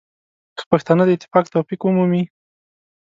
که پښتانه د اتفاق توفیق ومومي.